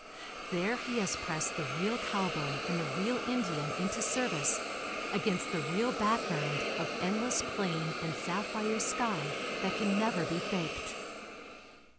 There* he has pressed the real cowboy and the real Indian into service against the real background of endless plain and sapphire sky that can never be faked.